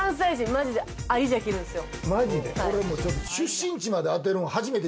マジでアディジャきるんですよ。